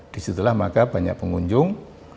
disitulah maka banyak pengunjung